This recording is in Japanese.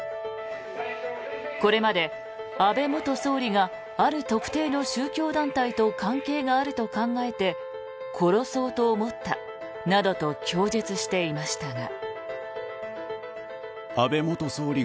これまで安倍元総理がある特定の宗教団体と関係があると考えて殺そうと思ったなどと供述していましたが。